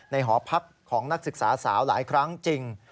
หอพักของนักศึกษาสาวหลายครั้งจริง